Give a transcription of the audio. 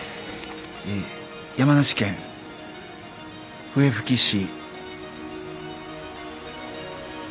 えー山梨県笛吹市